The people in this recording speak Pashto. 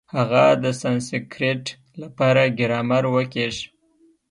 هغه د سانسکرېټ له پاره ګرامر وکېښ.